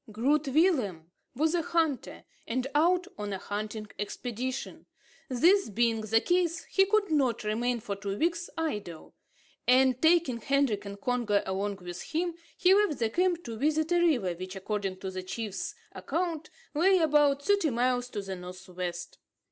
Groot Willem was a hunter, and out on a hunting expedition. This being the case, he could not remain for two weeks idle; and taking Hendrik and Congo along with him, he left the camp to visit a river, which, according to the chief's account, lay about thirty miles to the north west.